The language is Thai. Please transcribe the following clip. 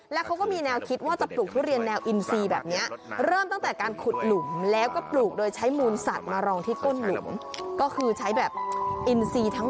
แล้วเขาก็มีแนวคิดว่าจะปลูกทุเรียนแนวอินซีแบบนี้